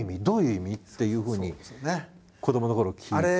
どういう意味？」っていうふうに子どものころ聞いて。